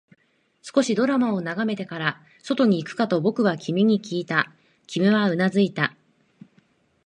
少しドラマを眺めてから、外に行くかと僕は君にきいた、君はうなずいた